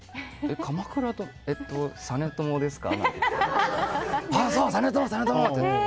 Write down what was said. えっと実朝ですか？